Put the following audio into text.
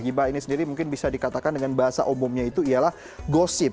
gibah ini sendiri mungkin bisa dikatakan dengan bahasa umumnya itu ialah gosip